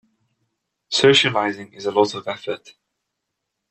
Socialising is a lot of effort.